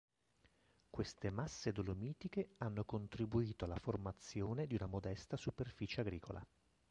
Queste masse dolomitiche hanno contribuito alla formazione di una modesta superficie agricola.